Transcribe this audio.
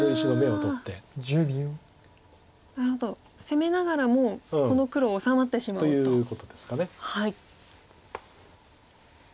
攻めながらもうこの黒治まってしまおうと。ということですか。